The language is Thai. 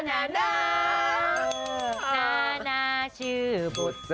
นางเชย์บุตสระ